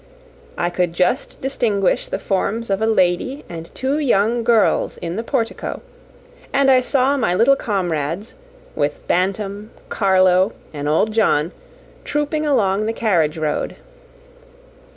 I could just distinguish the forms of a lady and two young girls in the portico, and I saw my little comrades, with Bantam, Carlo, and old John, trooping along the carriage road.